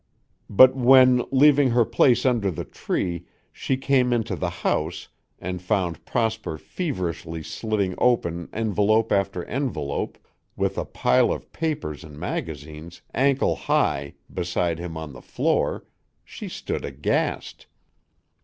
But when, leaving her place under the tree, she came into the house and found Prosper feverishly slitting open envelope after envelope, with a pile of papers and magazines, ankle high, beside him on the floor, she stood aghast.